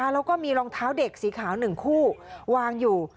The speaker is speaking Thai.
แล้วก็มีรองเท้าเด็กสีขาว๑คู่วางอยู่